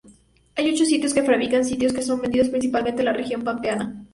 Hay ocho sitios que fabrican silos, que son vendidos principalmente en la Región Pampeana.